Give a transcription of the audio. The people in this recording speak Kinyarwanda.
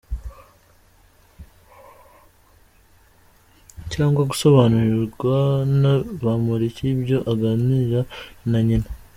Cyangwa gusobanurirwa na Bampoliki ibyo aganira na nyina?